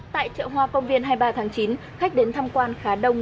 tại chợ hoa công viên hai mươi ba tháng chín khách đến tham quan khá đông